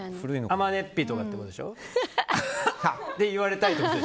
天音っピとかってことでしょ？って言われたい。